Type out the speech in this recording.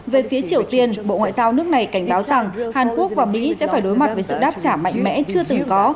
về phía triều tiên bộ ngoại giao nước này cảnh báo rằng hàn quốc và mỹ sẽ phải đối mặt với sự đáp trả mạnh mẽ chưa từng có